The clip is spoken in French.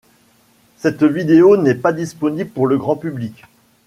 Cette vidéo n'est pas disponible pour le grand public.